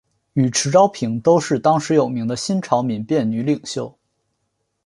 与迟昭平都是当时有名的新朝民变女领袖。